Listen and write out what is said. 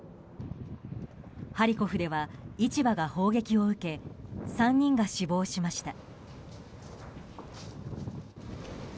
ハリコフでは市場が砲撃を受け３人が死亡しました。